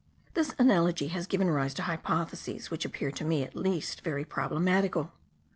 This analogy has given rise to hypotheses which appear to me at least very problematical.